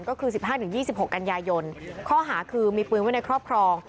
ก็คือ๑๕๒๖กันยายนข้อหาคือมีปืนไว้ในครอบครอง